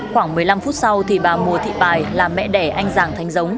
khoảng một mươi năm phút sau thì bà mùa thị bài là mẹ đẻ anh giàng thanh dống